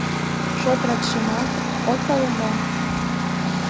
Шот-ратшымат от пале мо?